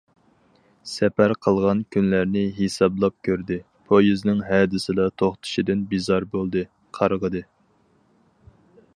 سەپەر قىلغان كۈنلەرنى ھېسابلاپ كۆردى، پويىزنىڭ ھەدىسىلا توختىشىدىن بىزار بولدى، قارغىدى.